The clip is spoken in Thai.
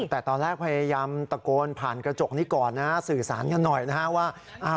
แต่ตอนแรกพยายามตะโกนผ่านกระจกนี้ก่อนนะสื่อสารกันหน่อยนะฮะว่า